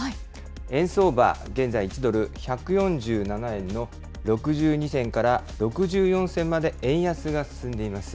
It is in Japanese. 円相場、現在１ドル１４７円の６２銭から６４銭まで円安が進んでいます。